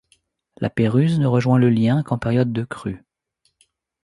La Péruse ne rejoint le Lien qu'en période de crue.